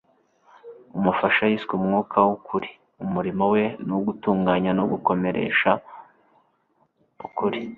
Umufasha yiswe Umwuka w'ukuri. Umurimo we ni uwo gutunganya no gukomeresha ukuri.